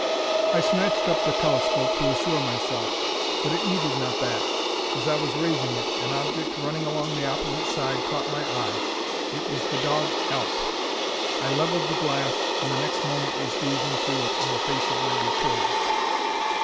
I snatched up the telescope to assure myself. But it needed not that. As I was raising it, an object running along the opposite side caught my eye. It was the dog Alp! I levelled the glass, and the next moment was gazing through it on the face of my betrothed!